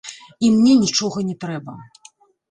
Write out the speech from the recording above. І мне нічога не трэба.